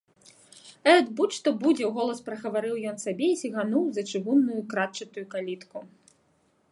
— Эт, будзь, што будзе, — уголас прагаварыў ён сабе і сігнуў за чыгунную кратчатую калітку.